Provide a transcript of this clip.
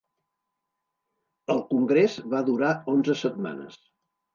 El congrés va durar onze setmanes.